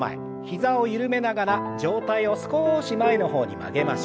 膝を緩めながら上体を少し前の方に曲げましょう。